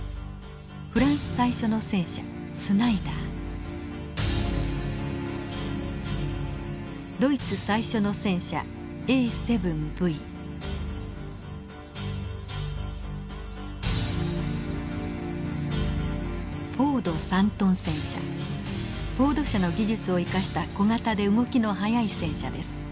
フランス最初の戦車ドイツ最初の戦車フォード社の技術を生かした小型で動きの速い戦車です。